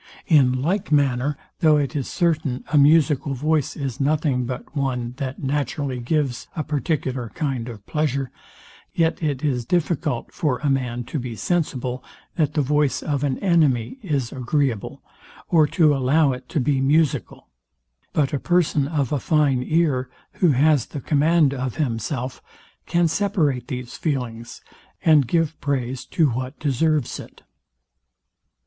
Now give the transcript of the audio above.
In like manner, though it is certain a musical voice is nothing but one that naturally gives a particular kind of pleasure; yet it is difficult for a man to be sensible, that the voice of an enemy is agreeable, or to allow it to be musical. But a person of a fine ear, who has the command of himself, can separate these feelings, and give praise to what deserves it.